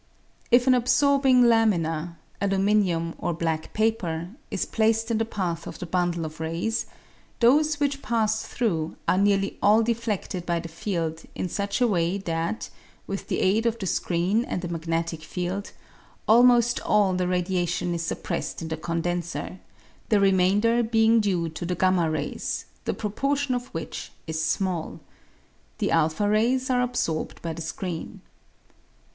If an absorbing lamina (aluminium or black paper) is placed in the path of the bundle of rays, those which pass through are nearly all defleded by the field in such a way that, with the aid of the screen and the magnetic field, almost all the radiation is suppressed in the condenser, the remainder being due to the y rays, the proportion of which is small. The a rays are absorbed by the screen.